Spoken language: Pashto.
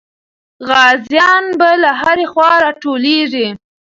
غازیان به له هرې خوا راټولېږي.